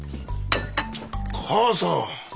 母さん！